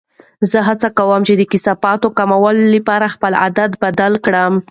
زه هڅه کوم چې د کثافاتو کمولو لپاره خپل عادت بدل کړم.